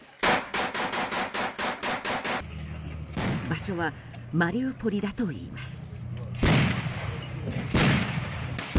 場所はマリウポリだといいます。